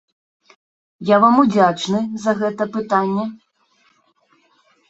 Я вам удзячны за гэта пытанне.